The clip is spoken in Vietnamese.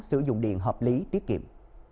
sử dụng điện hợp lý tiết kiệm